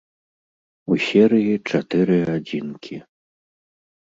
У серыі чатыры адзінкі.